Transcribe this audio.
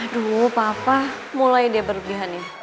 aduh papa mulai dia berlebihan ya